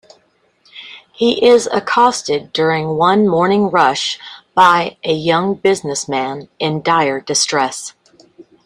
He is accosted during one morning rush by a young businessman in dire distress.